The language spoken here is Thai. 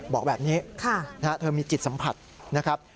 บอกแบบนี้เธอมีจิตสัมผัสนะครับ